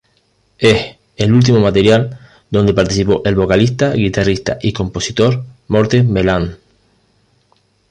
Es el último material donde participó el vocalista, guitarrista y compositor, Morten Veland.